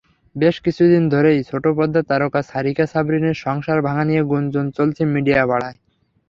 বেশ কিছুদিন ধরেই ছোটপর্দার তারকা সারিকা সাবরিনের সংসার ভাঙা নিয়ে গুঞ্জন চলছে মিডিয়াপাড়ায়।